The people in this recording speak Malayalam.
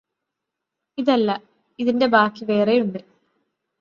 ഇതല്ല. ഇതിന്റെ ബാക്കി വേറെയുണ്ട്.